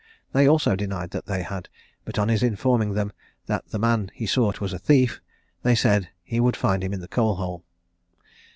They also denied that they had, but on his informing them that the man he sought was a thief, they said he would find him in the coal hole.